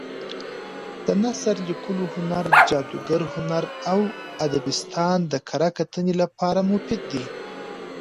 د نثر لیکلو هنر، جادګر هنر او ادبستان د کره کتنې لپاره مفید دي.